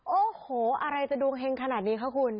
โอ้โหอะไรจะดวงเฮงขนาดนี้คะคุณ